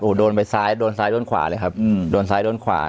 โอ้โหโดนไปซ้ายโดนซ้ายโดนขวาเลยครับอืมโดนซ้ายโดนขวา